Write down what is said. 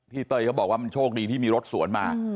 เต้ยเขาบอกว่ามันโชคดีที่มีรถสวนมา